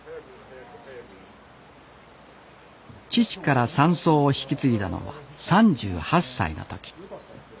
父から山荘を引き継いだのは３８歳の時。